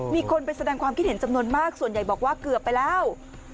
มีคนไปแสดงความคิดเห็นจำนวนมากส่วนใหญ่บอกว่าเกือบไปแล้ว